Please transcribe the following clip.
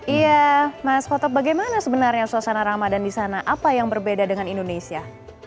iya mas khotot bagaimana sebenarnya suasana ramadan di sana apa yang berbeda dengan indonesia